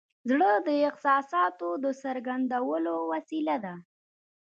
زړه د احساساتو د څرګندولو وسیله ده.